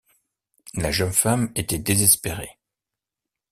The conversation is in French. La jeune femme était désespérée.